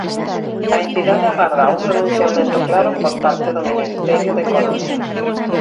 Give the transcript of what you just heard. A entidade agarda a un pronunciamento claro por parte do Ministerio de Economía.